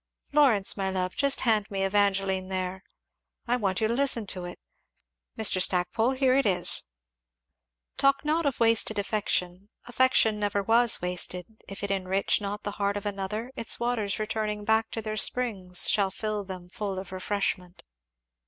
Florence, my love, just hand me 'Evangeline' there I want you to listen to it, Mr. Stackpole here it is 'Talk not of wasted affection; affection never was wasted; If it enrich not the heart of another, its waters returning Back to their springs shall fill them full of refreshment.